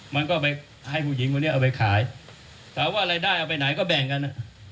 มันก็ไปให้ผู้หญิงคนนี้เอาไปขายถามว่ารายได้เอาไปไหนก็แบ่งกัน